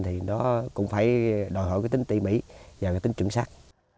thì nó cũng phải đòi hỏi tính ti mỹ và tính chuẩn sát